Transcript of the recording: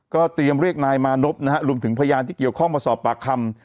เตรียมเรียกนายมานพนะฮะรวมถึงพยานที่เกี่ยวข้องมาสอบปากคำ